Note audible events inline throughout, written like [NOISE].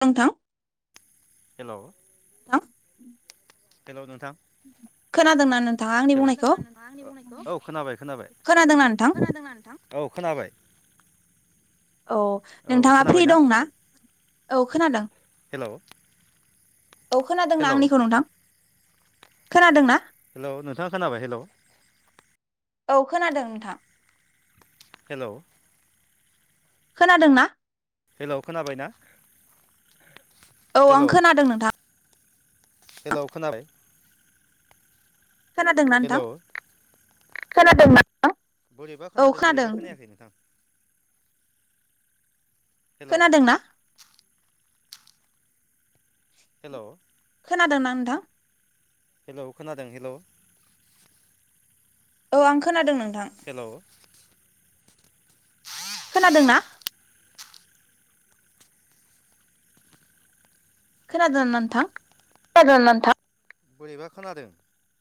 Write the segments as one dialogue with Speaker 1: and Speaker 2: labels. Speaker 1: नोंथां
Speaker 2: हेलौ
Speaker 1: नोंथां
Speaker 2: हेलौ नोंथां
Speaker 1: खोनादोंना नोंथाङा आंनि
Speaker 2: हेलौ
Speaker 1: बुंनायखौ
Speaker 2: औ खोनाबाय खोनाबाय
Speaker 1: खोनादोंना नोंथां।
Speaker 2: औ खोनाबाय
Speaker 1: औ
Speaker 2: औ
Speaker 1: नोंथाङा
Speaker 2: खोनाबाय
Speaker 1: फ्रि
Speaker 2: ना
Speaker 1: दंना औ खोनादों।
Speaker 2: हेलौ
Speaker 1: औ खोनादोंना
Speaker 2: हेलौ
Speaker 1: आंनिखौ नोंथां खोनादों ना।
Speaker 2: हेलौ नोंथाङा खोनाबाय हेलौ
Speaker 1: औ खोनादों नोंथां
Speaker 2: हेलौ
Speaker 1: खोनादों ना
Speaker 2: हेलौ खोनाबाय ना
Speaker 1: औ
Speaker 2: हेलौ
Speaker 1: आं खोनादों नोंथां
Speaker 2: हेलौ खोनाबाय
Speaker 1: खोनादोंना
Speaker 2: हेलौ
Speaker 1: नोंथां
Speaker 2: खोनादोंना बोरैबा खोनादों बोरैबा खोनायाखै नोंथां हेलौ
Speaker 1: खोनादोंना
Speaker 2: हेलौ
Speaker 1: खोनादोंना नोंथां
Speaker 2: हेलौ खोनादों हेलौ
Speaker 1: औ आं खोनादों नों
Speaker 2: हेलौ
Speaker 1: खोनादोंना खोनादों ना नोंथां
Speaker 2: [UNINTELLIGIBLE] नोंथा बोरैबा खोनादों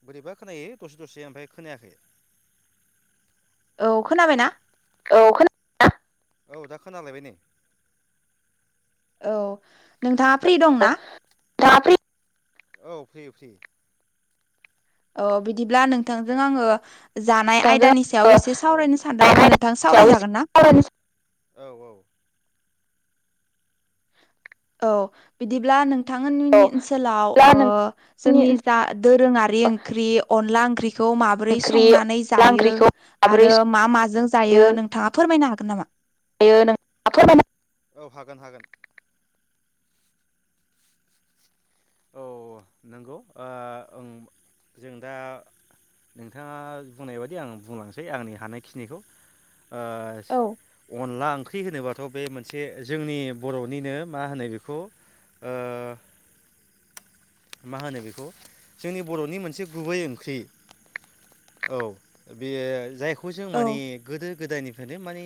Speaker 2: बोरैबा खोनायो दसे दसे ओमफ्राय खोनायाखै
Speaker 1: औ खोनाबायना?
Speaker 2: औ खोना ना औ दा खोनालायबाय नै
Speaker 1: औ नोंथाङा फ्रि दं ना?
Speaker 2: दा फ्रि औ फ्रि फ्रि
Speaker 1: ओ बिदिब्ला नोंथांजों आङो जानाय
Speaker 2: नोंथांजों
Speaker 1: आयदानि सायाव एसे
Speaker 2: आङो
Speaker 1: सावरायनो सानदोंमोन
Speaker 2: आयदानि
Speaker 1: नोंथां
Speaker 2: सायाव एसे
Speaker 1: सावरायजागोन ना?
Speaker 2: सावरायनो औ
Speaker 1: औ बिदिब्ला नों थां [UNINTELLIGIBLE] नि
Speaker 2: औ
Speaker 1: ओनसोलाव
Speaker 2: दा
Speaker 1: ओ
Speaker 2: नोंथांनि
Speaker 1: जोंनि
Speaker 2: ओनसोलाव
Speaker 1: दा दोरोङारि ओंख्रि अनला बेखौ माबोरै
Speaker 2: ओंख्रि
Speaker 1: संनानै
Speaker 2: अनला
Speaker 1: जायो
Speaker 2: ओंख्रिखौ माबोरै
Speaker 1: आरो मा माजों जायो नोंथाङा फोरमायनो हागोन नामा?
Speaker 2: दायो नों [UNINTELLIGIBLE] हागोन हागोन औ नंगौ ओ ओं जों दा नोंथाङा बुंनाय बादि आं बुंलांसै आंनि हानायखिनिखौ
Speaker 1: औ
Speaker 2: ओ अनदला ओंख ख्रि होनोबाथ' बे मोनसे जोंनि बर'निनो मा होनो बेखौ ओ मा होनो बेखौ जोंनि बर'नि मोनसे गुबै ओंख्रि। औ बेयो जायखौ जों माने
Speaker 1: औ
Speaker 2: गोदो गोदायनिफ्रायनो माने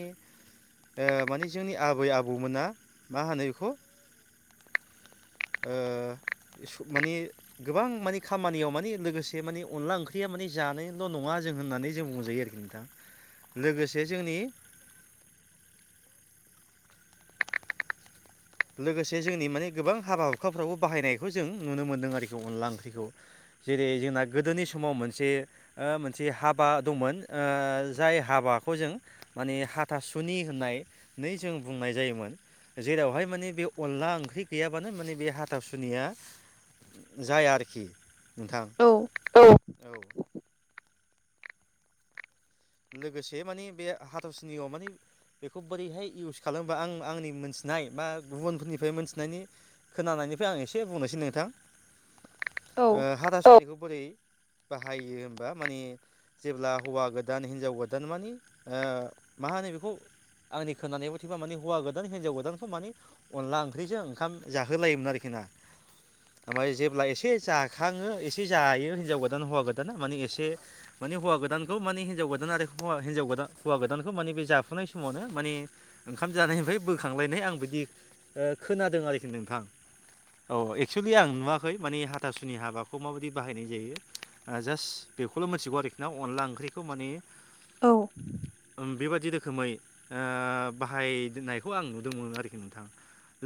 Speaker 2: ओ माने जोंनि आबै आबौमोना मा होनो बिखौ ओ इसु माने गोबां माने खामानियाव माने लोगोसे माने अनला ओंख्रिया मा माने जानायल' नङा जों होननानै जों बुंजायो आरोखि नोंथां लोगोसे जोंनि लोगोसे जोंनि माने गोबां हाबा हुखाफ्रावबो बाहायनायखौ जों नुनो मोन्दों आरोखि अनला ओंख्रिखौ। जेरै जोंना गोदोनि समाव मोनसे ओ मोनसे हाबा दंमोन ओ जाय हाबा बाखौ जों माने हाथासुनि होन्नाय नै जों बुंनाय जायोमोन जेरावहाय माने बे अनला ओंख्रि गैयाबानो माने बे हाथा सुनिया जाया आरोखि नोंथां औ औ लोगोसे माने बे हाथावसुनियाव माने बेखौ बोरैहाय इउस खालामोबा आं आंनि मोनथिनाय बा गुबुनफोरनिफ्राय मोनथिनायनि खोनानाय निफ्राय आं एसे बुंनोसै नोंथां ओ
Speaker 1: औ
Speaker 2: हाथा ओ सुनिखौ बोरै बाहायो होमबा माने जेब्ला हौवा गोद दान हिनजाव गोदान मानि ओ मा होनो बेखौ आंनि खोनानाय मथेबा माने हौवा गोदान हिनजाव गोदानखौ माने अनला ओंख्रिजों ओंखाम जाहोलायोमोन आरोखि ना ना ओफाय जेब्ला एसे जाखाङो एसे जायो हिनजाव गोदान हौवा गोदाना माने एसे माने हौवा गोदानखौ माने हि हिनजाव गोदान आरो हौवा हिजाव गोदा हौवा गोदानखौ माने बे जाफुनाय समावनो माने ओंखाम जानायनिफ्राय बोखां [UNINTELLIGIBLE] आं बिदि ओ खोनादों आरोखि नोंथां। औ एक्सुलि आं नुवाखै माने हाथासुनि हाबाखौ माबायदि बाहायनाय जायो ओ जास्ट बेखौल मिथिगौ आरोखि ना अनला ओंख्रिखौ माने
Speaker 1: औ
Speaker 2: ओम बेबायदि रोखोमै ओ बाहायनायखौ आं नुदोंमोन आरोखि नोंथा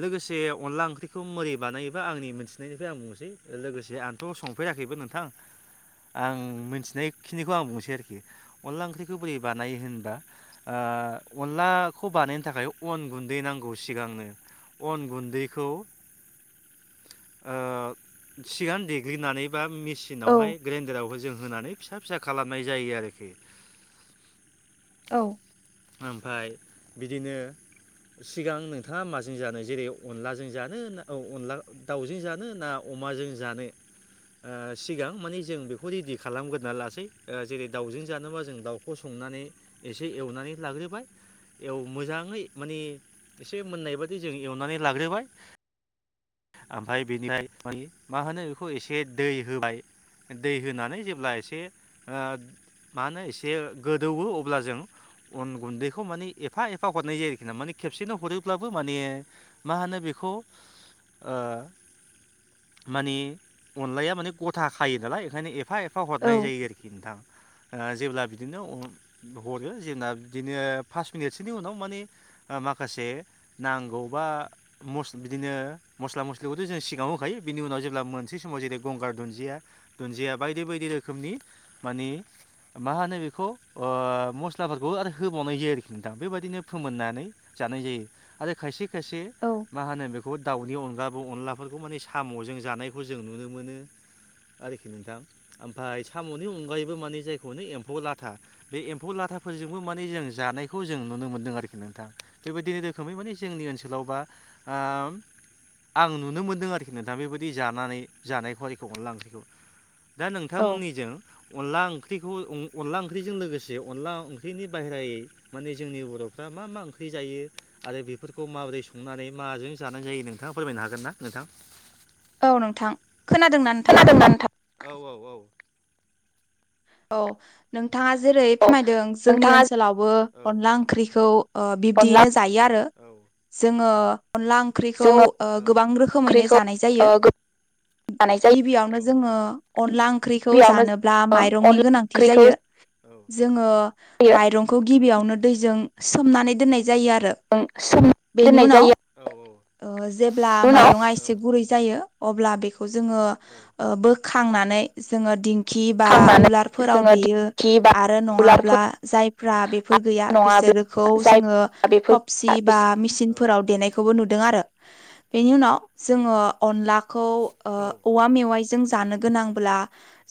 Speaker 2: लोगोसे अनला ओंख्रिखौ मोरै बानायोबा आंनि मिथिनायनिफ्राय आं बुंनोसै लोगोसे आंथ संफेरा- बेबो नोंथां आं मिथिनायखिनिखौ आं बुंनोसै आरोखि अनला ओंख्रिखौ बोरै बानायो होनबा ओ अनलाखौ बानायनो थाखाय अन गुन गुन्दै नांगौ सिगांनो अन गुन्दैखौ ओ सिगां देग्लिनानैबा मि
Speaker 1: औ
Speaker 2: मेचसिनावहाय ग्रेनदाराव जों होनानै फिसा फिसा खालामनाय जायो आरोखि
Speaker 1: औ
Speaker 2: ओमफ्राय बिदिनो सिगां नोंथाङा माजों जानो जेरै अनलाजों जानो ना अनला दाउजों जानो ना अमाजों जानो आ सिगां माने जों बेखौ रेडि खालामग्रोना लासै जेरै दाउजों जानोबा जों दाउखौ संनानै एसे एवनानै लाग्रोबाय एव मोजाङै माने एसे मोननाय बादि जों एवनानै लाग्रोबाय ओमफ्राय बेनिफ्राय मोन मा होनो बेखौ एसे दै होबाय। दै होनानै जेब्ला एसे मा होनो एसे गोदौवो अब्ला जों अन गुन्दैखौ माने एफा एफा हरनाय जायो आरोखि ना माने खेबसेनो हरोब्लाबो माने मा होनो बेखौ खौ माने अनलाया माने गथा खायो नालाय ओंखायनो ए फा एफा हरनाय
Speaker 1: औ
Speaker 2: जायो आरोखि नोंथां जेब्ला बिदिनो हरो जेना बिदिनो फास मिनिटसोनि उनाव माने माखासे नांगौबा मस बिदिनो मस्ला मस्लिखौथ' जों सिगाङाव होखायो बिनि उनाव जेब्ला मोनसे समाव जेरै गंगार दुनजिया दुनजिया बायदि बायदि रोखोमनि माने मा होनो बेखौ मस्लाफोरखौ आरो होबावनाय जायो आरोखि नोंथां बेबायदिनो फोमोननानै जानाय जायो आरो खायसे खायसे
Speaker 1: औ
Speaker 2: मा होनो बेखौ दाउ नि अनगाबो अनलाफोरखौ माने साम'जों जानायखौ जों नुनो मोनो आरोखि नोंथां ओमफ्राय साम'नि अनगायैबो माने जायखौ एम्फौ लाथा बे एम्फौ लाथा फोरजोंबो माने जों जानायखौ जों नुनो मोन्दों आरोखि नोंथां बेबायदिनो रोखोमै माने जोंनि ओनसोलाव बा आ आं नुनो मोन्दों आरोखि नोंथां बेबायदि जानानै जाना फारिखौ अनला ओंख्रिखौ दा
Speaker 1: औ
Speaker 2: नोंथांमोननिजों अनला ओं ओंख्रिखौ अनला ओंख्रिजों लोगोसे अनला ओंख्रिनि बाहेरायै माने जोंनि बर'फ्रा मा मा ओंख्रि जायो आरो बेफोरखौ माबोरै संनानै माजों जानाय जायो नोंथाङा फोरमायनो हागोन ना नोंथां
Speaker 1: औ नोंथां खोनादोंना नोंथाङा
Speaker 2: खोनादोंना नोंथां? औ औ औ
Speaker 1: औ नोंथाङा जेरै
Speaker 2: औ
Speaker 1: फोरमायदों जोंनि
Speaker 2: नोंथाङा
Speaker 1: ओनसोलावबो
Speaker 2: औ
Speaker 1: अनला ओंख्रिखौ
Speaker 2: अनला
Speaker 1: बिब्दियैनो जायो आरो जोङो अनला ओंख्रिखौ
Speaker 2: जोङो
Speaker 1: गोबां रोखोमैनो
Speaker 2: ओंख्रिखौ
Speaker 1: जानाय
Speaker 2: ओ
Speaker 1: जायो
Speaker 2: जानाय जायो
Speaker 1: गिबियावनो जोङो अनला ओंख्रिखौ
Speaker 2: गिबियावनो
Speaker 1: जानोब्ला
Speaker 2: जोङो
Speaker 1: माइ रंनि
Speaker 2: अनला
Speaker 1: गोनांथि
Speaker 2: ओंख्रिखौ औ
Speaker 1: जायो जोङो
Speaker 2: जों
Speaker 1: माइरंखौ गिबियावनो दै जों सोमनानै दोननाय जायो आरो
Speaker 2: सोमना
Speaker 1: बेनि
Speaker 2: दोननाय
Speaker 1: उनाव
Speaker 2: जायो औ
Speaker 1: जेब्ला
Speaker 2: औ
Speaker 1: माइरङा एसे गुरै जायो अब्ला बेखौ जोङो
Speaker 2: औ
Speaker 1: बोखांनानै जोङो दिंखि बा
Speaker 2: खांनानै
Speaker 1: उलार फोराव
Speaker 2: जोङो
Speaker 1: देयो
Speaker 2: दिंखि बा
Speaker 1: आरो नङाब्ला
Speaker 2: उलारफोर
Speaker 1: जायफ्रा बेफोर गैया बिसोरखौ
Speaker 2: नङाब्ला जाय
Speaker 1: जोङो
Speaker 2: बेफोर
Speaker 1: थ'बसि एबा
Speaker 2: औ
Speaker 1: मेसिंफोरा देनायखौबो नुदों आरो बेनि उनाव जोङो अनलाखौ
Speaker 2: औ
Speaker 1: औवा मेवाय जों जानो गोनांब्ला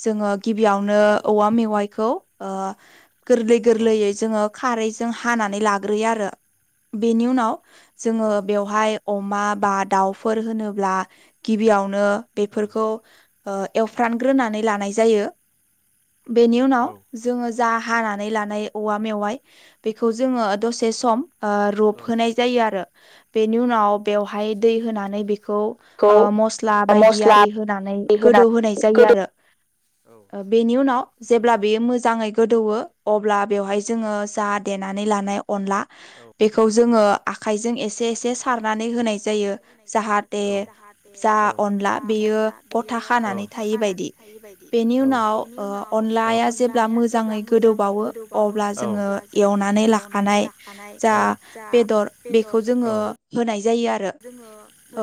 Speaker 1: जोङो गिबियावनो
Speaker 2: औ
Speaker 1: औवा मेवाइखौ गोरलै गोरलैयै जोङो खारैजों हानानै लाग्रोयो आरो बेनि उनाव जोङो
Speaker 2: औ
Speaker 1: बेवहाय अमा बा दाउफोर होनोब्ला गिबियावनो बेफोरखौ एवफ्रानग्रोनानै लानाय जायो बेनि उनाव
Speaker 2: औ
Speaker 1: जोङो जा हानानै लानाय औवा मेवाइ बेखौ जोङो दसे सम
Speaker 2: औ औ
Speaker 1: रबहोनाय जायो आरो बेनि उनाव बेवहाय दै होनानै बि खौ मसला
Speaker 2: खौ
Speaker 1: बायदि
Speaker 2: मस्ला
Speaker 1: आरि होनानै गोदौ होनाय
Speaker 2: होनानै
Speaker 1: जायो
Speaker 2: गोदौ
Speaker 1: आरो बेनि उनाव जेब्ला बेयो मोजाङै गोदौवो अब्ला बेवहाय जोङो जा देनानै लानायाव अनला
Speaker 2: औ
Speaker 1: बेखौ जोङो आखायजों एसे एसे
Speaker 2: आखाइजों एसे
Speaker 1: सारनानै
Speaker 2: एसे
Speaker 1: होनाय जायो
Speaker 2: सारनानै होनाय
Speaker 1: जाहाथे
Speaker 2: जायो
Speaker 1: जा अनला बेयो
Speaker 2: औ
Speaker 1: गथा खानानै थायै बायदि बेनि
Speaker 2: औ
Speaker 1: उनाव ओ अनलाया जेब्ला मोजाङै
Speaker 2: मोजाङै
Speaker 1: गोदौबावो
Speaker 2: गोदौबावो
Speaker 1: अब्ला जोङो
Speaker 2: जोङो
Speaker 1: एवनानै
Speaker 2: एवनानै
Speaker 1: लाखानाय जा
Speaker 2: जा
Speaker 1: बेदर बेखौ जोङो होनाय जायो आरो
Speaker 2: जोङो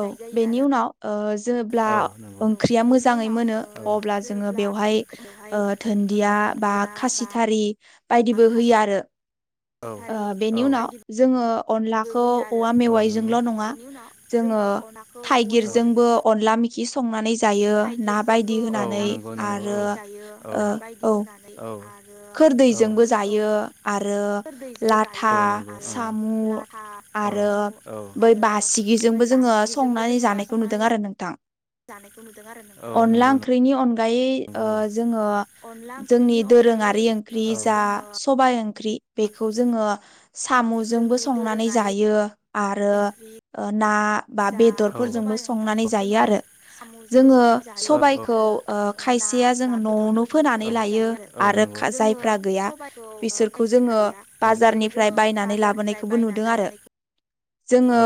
Speaker 1: औ
Speaker 2: जायो
Speaker 1: बेनि
Speaker 2: आरो
Speaker 1: उनाव ओ जेब्ला
Speaker 2: औ
Speaker 1: ओंख्रिया
Speaker 2: बेनि
Speaker 1: मोजाङै
Speaker 2: उनाव
Speaker 1: मोनो
Speaker 2: ओ
Speaker 1: अब्ला जोङो
Speaker 2: जेब्ला
Speaker 1: बेवहाय
Speaker 2: ओंख्रियावहाय
Speaker 1: ओ
Speaker 2: ओ
Speaker 1: धोनदिया बा
Speaker 2: धोन्दिया बा
Speaker 1: खासिथारि बायदिबो होयो आरो ओ
Speaker 2: खासिथारि
Speaker 1: बेनि उनाव
Speaker 2: बायदिबो
Speaker 1: जोङो अनलाखौ
Speaker 2: होयो आरो
Speaker 1: औवा मेवाइजोंल नङा
Speaker 2: बेनि उनाव
Speaker 1: जोङो
Speaker 2: अनलाखौ औवा मेवाइजोंबो
Speaker 1: थाइगिरजोंबो
Speaker 2: नङा
Speaker 1: अनला मिखि संनानै जायो ना बायदि होनानै आरो
Speaker 2: औ औ
Speaker 1: खोरदैजोंबो जायो आरो
Speaker 2: खोरदैजोंबो जायो
Speaker 1: लाथा,
Speaker 2: आरो
Speaker 1: सामु
Speaker 2: लाथा साम'
Speaker 1: आरो बै
Speaker 2: आरो बै
Speaker 1: बासिगिजोंबो जोङो संनानै जानायखौ नुदों आरो नोंथां
Speaker 2: औ
Speaker 1: अनला
Speaker 2: नंगौ नों
Speaker 1: ओंख्रिनि ओ जोङो जोंनि
Speaker 2: ओंख्रिनि अनगायै
Speaker 1: दोरोङारि
Speaker 2: ओ
Speaker 1: ओंख्रि जा
Speaker 2: जोङो
Speaker 1: सबाय ओं ख्रि बेखौ जोङो सामुजोंबो
Speaker 2: जोंनि
Speaker 1: संनानै
Speaker 2: दोरोङारि
Speaker 1: जायो आरो
Speaker 2: ओंख्रि
Speaker 1: ओ ना बा
Speaker 2: जा
Speaker 1: बेदरफोजोंबो
Speaker 2: सबाय
Speaker 1: संनानै
Speaker 2: ओंख्रिखौ जोङो
Speaker 1: जायो आरो
Speaker 2: साम'जोंबो
Speaker 1: जोङो
Speaker 2: संनानै जायो
Speaker 1: सबायखौ ओ
Speaker 2: आरो
Speaker 1: खाय
Speaker 2: ना
Speaker 1: सेया जों
Speaker 2: बा
Speaker 1: नआवनो
Speaker 2: बेदरफोरजोंबो
Speaker 1: फोनानै
Speaker 2: संनानै
Speaker 1: लायो
Speaker 2: जायो
Speaker 1: आरो खाय
Speaker 2: जोङो
Speaker 1: जायफ्रा गैया
Speaker 2: सबायखौ ओ
Speaker 1: बिसोरखौ
Speaker 2: खायसे
Speaker 1: जोङो
Speaker 2: गैया बिसोरखौ
Speaker 1: बाजारनिफ्राय
Speaker 2: जोङो
Speaker 1: बायनानै
Speaker 2: बाजारनिफ्राय
Speaker 1: लाबोनायखौबो
Speaker 2: बायनानै
Speaker 1: नुदों आरो
Speaker 2: लाबोनायखौबो
Speaker 1: जोङो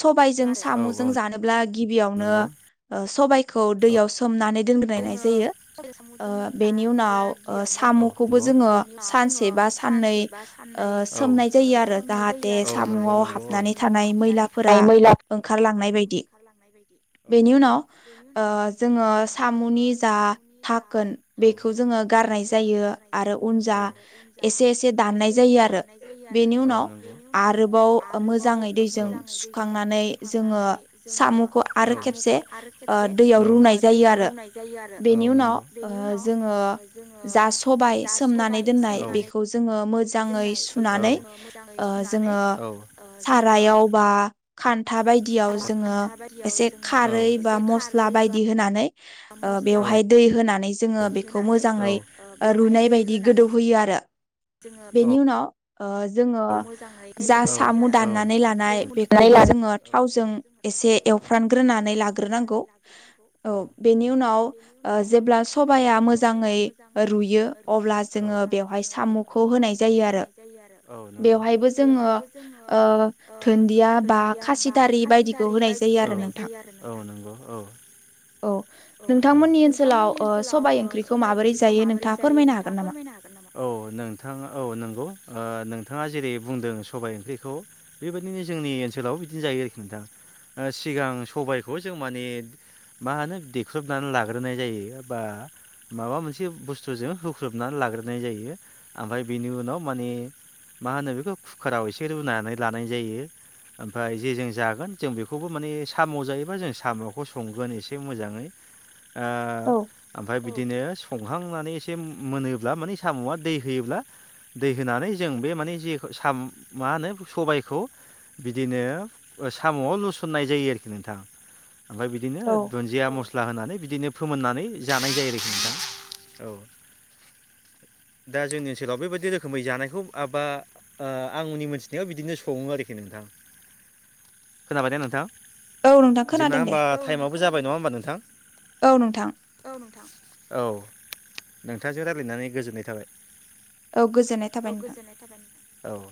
Speaker 1: सबायजों सामुजों जानोब्ला गिबियावनो
Speaker 2: नुदों
Speaker 1: ओ सबाय खौ
Speaker 2: आरो
Speaker 1: दैयाव सोमनानै दोनग्रायनाय
Speaker 2: जोङो
Speaker 1: जायो
Speaker 2: सबाय साम'जों
Speaker 1: ओ बेनि
Speaker 2: जानोब्ला
Speaker 1: उनाव
Speaker 2: गिबियावनो ओ
Speaker 1: सामुखौबो जोङो
Speaker 2: बेनि उनाव जोङो
Speaker 1: सानसे बा साननै
Speaker 2: सानसे बा साननै
Speaker 1: ओ सोमनाय जायो आरो
Speaker 2: सोमनाय जायो
Speaker 1: जाहाते
Speaker 2: आरो
Speaker 1: सामुआव
Speaker 2: जाहाथे
Speaker 1: हाबनानै
Speaker 2: साम'आव
Speaker 1: थानाय
Speaker 2: हाबनानै
Speaker 1: मैलाफोरा
Speaker 2: थानाय मैलाफोरा
Speaker 1: ओंखारलांनाय बायदि।
Speaker 2: ओंखारलांनाय बायदि
Speaker 1: बेनि उनाव ओ जोङो सा
Speaker 2: औ
Speaker 1: बेखौ जोङो गारनाय जायो आरो उन जा
Speaker 2: औ
Speaker 1: एसे एसे दाननाय जायो आरो
Speaker 2: औ
Speaker 1: बेनि उनाव आरोबाव
Speaker 2: नोंगौ
Speaker 1: मोजाङै दैजों सुखांनानै
Speaker 2: औ
Speaker 1: जोङो साम'खौ आरो
Speaker 2: औ
Speaker 1: खेबसे ओ दैयाव रुनाय
Speaker 2: औ
Speaker 1: जायो आरो बेनि
Speaker 2: औ
Speaker 1: उनाव ओ जोङो
Speaker 2: नोंगौ
Speaker 1: जा सबाय सोमनानै दोननाय
Speaker 2: सोमनानै
Speaker 1: बेखौ जोङो मो जाङै
Speaker 2: दोननाय बेखौ
Speaker 1: सुनानै
Speaker 2: जोङो मोजाङै
Speaker 1: ओ
Speaker 2: सुनानै
Speaker 1: जोङो
Speaker 2: ओ जोङो
Speaker 1: सारायाव बा खान्था बायदियाव जोङो
Speaker 2: खान्था बायदियाव
Speaker 1: एसे
Speaker 2: जोङो
Speaker 1: खारै बा
Speaker 2: एसे
Speaker 1: मस्ला
Speaker 2: खारै बा
Speaker 1: बायदि होनानै ओ
Speaker 2: मस्ला बाय
Speaker 1: बेवहाय दै होनानै जोङो
Speaker 2: बिदि
Speaker 1: बेखौ
Speaker 2: होनानै ओ
Speaker 1: मोजाङै ओ रुइनाय बायदि गोदौहोयो आरो
Speaker 2: औ
Speaker 1: बेनि उनाव ओ जोङो जा
Speaker 2: गोदौहोयो
Speaker 1: सामु
Speaker 2: आरो
Speaker 1: दाननानै लानाय
Speaker 2: बेनि उननानै
Speaker 1: बेखौबो जोङो
Speaker 2: लानानै
Speaker 1: थावजों
Speaker 2: बेखौबो जोङो
Speaker 1: ए से
Speaker 2: थावजों एसे
Speaker 1: एवफ्रानग्रोनानै लाग्रोनांगौ
Speaker 2: एवफ्रानग्रोनानै लाग्रोनांगौ
Speaker 1: औ बेनि उनाव
Speaker 2: बेनि
Speaker 1: ओ
Speaker 2: उनाव
Speaker 1: जेब्ला
Speaker 2: ओ
Speaker 1: सबा या
Speaker 2: जेब्ला सबाया
Speaker 1: मोजाङै
Speaker 2: मोजाङै
Speaker 1: रुयो अब्ला
Speaker 2: रुयो
Speaker 1: जोङो
Speaker 2: अब्ला
Speaker 1: बेवहाय
Speaker 2: जोङो बेवहाय
Speaker 1: सामुखौ होनाय
Speaker 2: साम'खौ
Speaker 1: जायो आरो
Speaker 2: होनाय जायो आरो
Speaker 1: बेवहायबो जोङो
Speaker 2: बेवहायबो जोङो
Speaker 1: ओ
Speaker 2: ओ
Speaker 1: धोन्दिया बा खासिथारि बायदिखौ होनाय जायो आरो नोंथां
Speaker 2: औ औ नंगौ औ
Speaker 1: औ नोंथांमोननि ओनसोलाव ओ
Speaker 2: ओनसोलाव
Speaker 1: सबाय
Speaker 2: ओ
Speaker 1: ओंख्रिखौ
Speaker 2: सबाइ
Speaker 1: माबोरै जा
Speaker 2: औ ओंख्रिखौ नोंथां औ नंगौ ओ नोंथाङा जेरै बुंदों सबाय ओंख्रिखौ बेबायदिनो जोंनि ओनसोलाव बिदिनो जायो आरोखि नोंथां ओ सिगां सबायखौ जों माने मा होनो देख्रुबनानै लाग्रोनाय जायो बा माबा मोनसे बुस्थुजों होख्रोबनानै लाग्रोनाय जायो ओमफाय बेनि उनाव मानेऐ मा होनो बेखौ खुकाराव एसे रुनानै लानाय जायो ओमफ्राय जेजों जागोन जों बेखौबो माने सामु जायोबा जों सामुखौ संगोन एसे मोजाङै
Speaker 1: [INAUDIBLE]
Speaker 2: ओ
Speaker 1: औ
Speaker 2: ओमफ्राय बिदिनो संखांनानै एसे मोनोब्ला माने साम'आ दै होयोब्ला दै होनानै जों बे माने जेखौ साम माहोनो सबायखौ बिदिनो साम'आव लुसननाय जायो आरोखि नोंथां ओमफ्राय बिदिनो
Speaker 1: औ
Speaker 2: दुन्दिया मस्ला होनानै बिदिनो फोमोननानै जानाय जायो आरोखि नोंथां औ दा जोंनि ओनसोलाव बेबायदि रोखोमै जानायखौ माबा आंनि मोनथिनायाव बिदिनो सङो आरोखि नोंथां खोनाबायना नोंथां
Speaker 1: औ नोंथां
Speaker 2: जोबना
Speaker 1: खोनादों दे
Speaker 2: होमबा टाइमावबो जाबाय नङा होमबा नोंथां
Speaker 1: औ नोंथां
Speaker 2: औ नोंथां औ नोंथांजों रायज्लायनानै गोजोननाय थाबाय
Speaker 1: औ गोजोनाय
Speaker 2: औ औ